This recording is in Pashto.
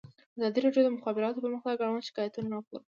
ازادي راډیو د د مخابراتو پرمختګ اړوند شکایتونه راپور کړي.